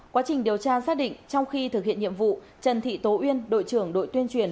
quá trình điều tra xác định trong khi thực hiện nhiệm vụ trần thị tố uyên đội trưởng đội tuyên truyền